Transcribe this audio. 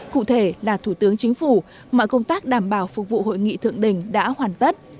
cụ thể là thủ tướng chính phủ mọi công tác đảm bảo phục vụ hội nghị thượng đỉnh đã hoàn tất